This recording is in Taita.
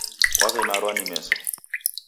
Waw'emarwa ni meso.